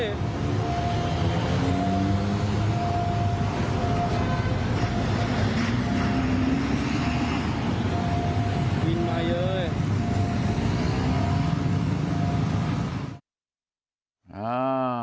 วินมาเยอะ